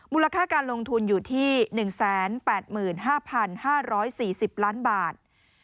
มูลค่าการลงทุนอยู่ที่๑๘๕๕๔๐ล้านบาท